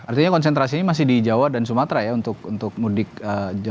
artinya konsentrasinya masih di jawa dan sumatera ya untuk mudik jawa